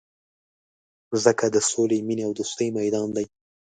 مځکه د سولي، مینې او دوستۍ میدان دی.